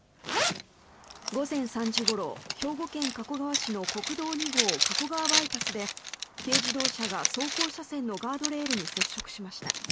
午前３時ごろ兵庫県加古川市の国道２号加古川バイパスで軽自動車が走行車線のガードレールに接触しました。